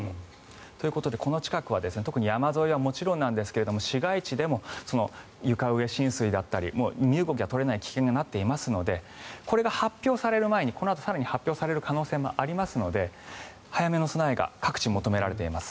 ということで、この近くは山沿いはもちろんなんですが市街地でも床上浸水だったり身動きが取れない危険になっていますのでこれが発表される前にこのあと、更に発表される可能性もありますので早めの備えが各地求められています。